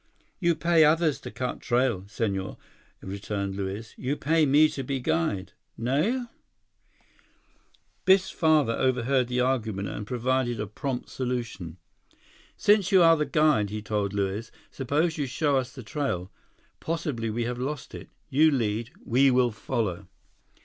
"You pay others to cut trail, Senhor," returned Luiz. "You pay me to be guide. Nao?" Biff's father overheard the argument and provided a prompt solution. "Since you are the guide," he told Luiz, "suppose you show us the trail. Possibly we have lost it. You lead; we will follow."